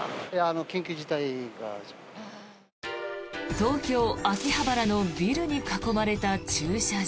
東京・秋葉原のビルに囲まれた駐車場。